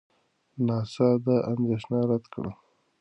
ناسا دا اندېښنه رد کړه.